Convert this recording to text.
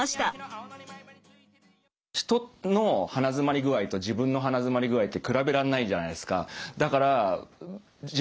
人の鼻づまり具合と自分の鼻づまり具合って比べらんないじゃないですか。